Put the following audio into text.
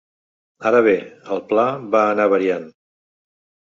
Ara bé, el pla va anar variant.